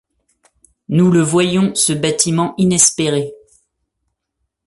Nous le voyons, ce bâtiment inespéré!